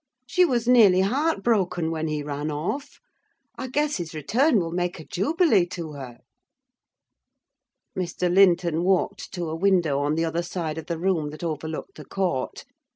She was nearly heartbroken when he ran off. I guess his return will make a jubilee to her." Mr. Linton walked to a window on the other side of the room that overlooked the court.